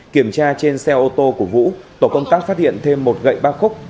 kiểm tra trên xe ô tô của vũ tổ công tác phát hiện thêm một gậy ba khúc